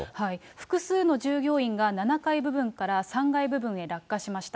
複数の従業員が７階部分から３階部分へ落下しました。